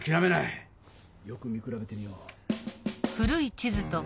よく見くらべてみよう。